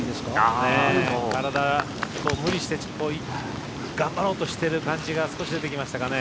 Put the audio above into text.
体無理して頑張ろうとしてる感じが少し出てきましたかね。